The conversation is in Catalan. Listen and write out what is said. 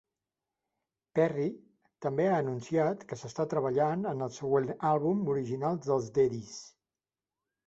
Perry també ha anunciat que s'està treballant en el següent àlbum original dels Daddies.